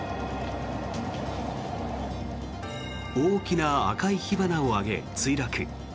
大きな赤い火花を上げ、墜落。